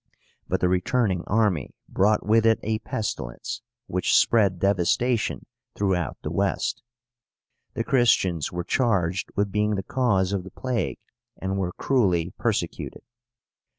But the returning army brought with it a pestilence, which spread devastation throughout the West. The Christians were charged with being the cause of the plague, and were cruelly persecuted.